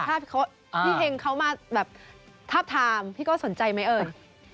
ถ้าพี่เฮงเขามาแบบทาบทามพี่โก้สนใจไหมเอ่ย